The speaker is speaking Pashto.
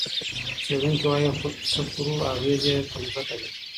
څېړونکي وايي، څه خورو، اغېز یې پر ځمکه دی.